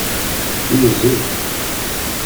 Yuzzel.